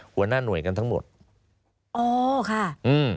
หัวหน้าหน่วยกันทั้งหมดอ๋อค่ะอืม